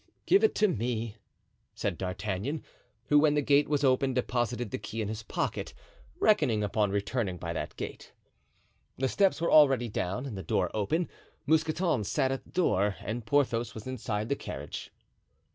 "Give it to me," said D'Artagnan, who when the gate was open deposited the key in his pocket, reckoning upon returning by that gate. The steps were already down and the door open. Mousqueton stood at the door and Porthos was inside the carriage.